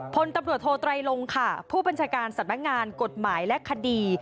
พลตำรวจโทไตรลงค่ะผู้บัญชาการสำนักงานกฎหมายและคดี